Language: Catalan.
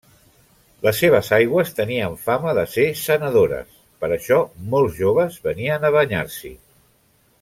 Les seves aigües tenien fama de ser sanadores, per això molts joves venien a banyar-s'hi.